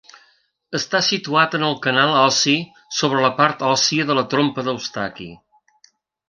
Està situat en el canal ossi sobre de la part òssia de la trompa d'Eustaqui.